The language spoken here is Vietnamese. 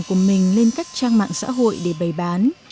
của mình lên các trang mạng xã hội để bày bán